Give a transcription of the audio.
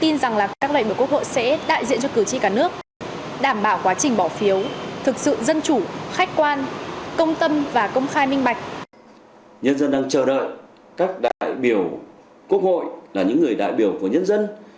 nhân dân đang chờ đợi các đại biểu quốc hội là những người đại biểu của nhân dân